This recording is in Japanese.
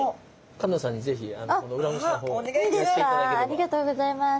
ありがとうございます。